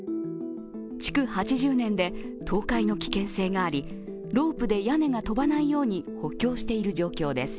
築８０年で倒壊の危険性があり、ロープで屋根が飛ばないように補強している状況です。